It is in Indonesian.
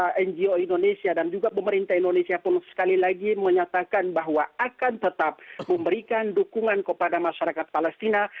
karena ngo indonesia dan juga pemerintah indonesia pun sekali lagi menyatakan bahwa akan tetap memberikan dukungan kepada masyarakat palestina